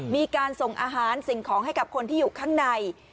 มีการส่งอาหารสิ่งของให้กับคนที่อยู่ข้างใน